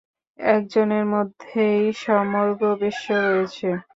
একজনের মধ্যেই সমগ্র বিশ্ব রয়েছে।